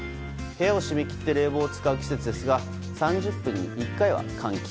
部屋を閉め切って冷房を使う季節ですが３０分に１回は換気。